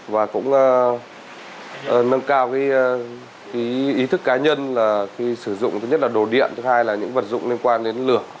và cũng nâng cao ý thức cá nhân là khi sử dụng thứ nhất là đồ điện thứ hai là những vật dụng liên quan đến lửa